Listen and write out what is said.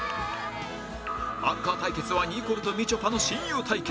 アンカー対決はニコルとみちょぱの親友対決